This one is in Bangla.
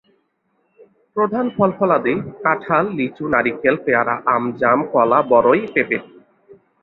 প্রধান ফলফলাদি কাঁঠাল, লিচু, নারিকেল, পেয়ারা, আম, জাম, কলা, বড়ই, পেঁপে।